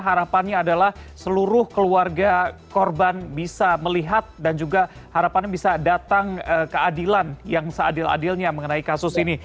harapannya adalah seluruh keluarga korban bisa melihat dan juga harapannya bisa datang keadilan yang seadil adilnya mengenai kasus ini